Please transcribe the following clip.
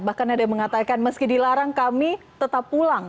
bahkan ada yang mengatakan meski dilarang kami tetap pulang